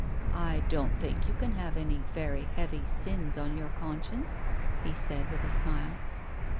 " I don't think you can have any very heavy sins on your conscience," he said, with a smile.